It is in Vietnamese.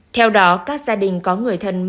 theo đó các gia đình có người thân